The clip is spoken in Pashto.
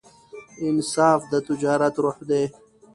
انصاف د تجارت روح دی.